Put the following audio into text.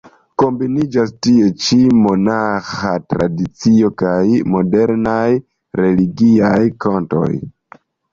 Kombiniĝas tie ĉi monaĥa tradicio kaj modernaj religiaj kantoj.